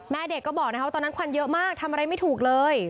เด็กก็บอกนะครับว่าตอนนั้นควันเยอะมากทำอะไรไม่ถูกเลย